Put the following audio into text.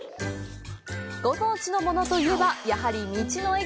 ご当地のものといえばやはり道の駅。